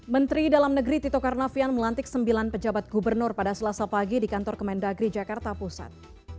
menteri dalam negeri tito karnavian melantik sembilan pejabat gubernur pada selasa pagi di kantor kemendagri jakarta pusat